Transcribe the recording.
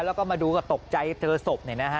แล้วก็มาดูก็ตกใจเจอศพ